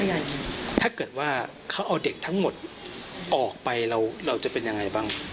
ถ้าเกิดว่าเขาเอาเด็กทั้งหมดออกไปเราเราจะเป็นยังไงบ้าง